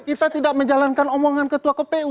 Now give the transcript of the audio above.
kita tidak menjalankan omongan ketua kpu